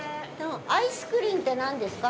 アイスクリンって何ですか。